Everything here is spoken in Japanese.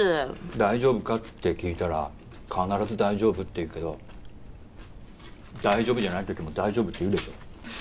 大丈夫か？って聞いたら必ず大丈夫って言うけど大丈夫じゃない時も大丈夫って言うでしょ